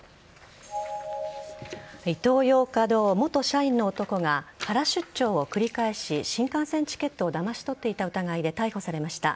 イトーヨーカ堂元社員の男がカラ出張を繰り返し新幹線チケットをだまし取っていた疑いで逮捕されました。